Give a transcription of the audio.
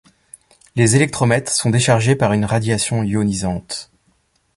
Les électromètres sont déchargés par une radiation ionisante.